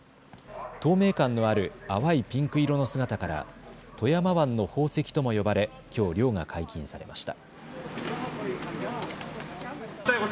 透明感のある淡いピンク色の姿から富山湾の宝石とも呼ばれきょう漁が解禁されました。